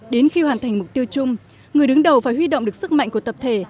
đến khi hoàn thành mục tiêu chung người đứng đầu phải huy động được sức mạnh của tập thể